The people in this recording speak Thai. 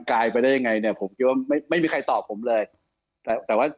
กายไปได้ยังไงเนี่ยผมคิดว่าไม่ไม่มีใครตอบผมเลยแต่แต่ว่า